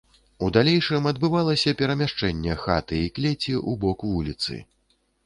У далейшым адбывалася перамяшчэнне хаты і клеці ў бок вуліцы.